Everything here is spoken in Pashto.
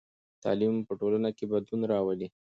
تعلیم په ټولنه کې بدلون راولي.